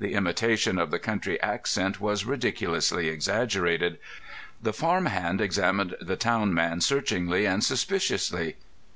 The imitation of the country accent was ridiculously exaggerated. The farm hand examined the town man searchingly and suspiciously.